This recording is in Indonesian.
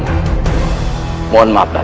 korban buat muslim